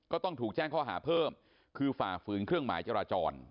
ต้องถูกแจ้งข้อหาเพิ่มคือฝ่าฝืนเครื่องหมายจราจร